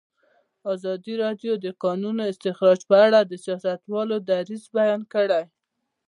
ازادي راډیو د د کانونو استخراج په اړه د سیاستوالو دریځ بیان کړی.